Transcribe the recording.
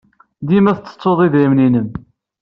Dima tettettud idrimen-nnem.